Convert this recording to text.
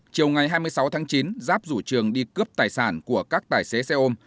chiều ngày hai mươi sáu tháng chín giáp rủ trường đi cướp tài sản của các tài xế xe ôm